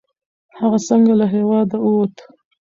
هغه څنګه له هیواده ووت؟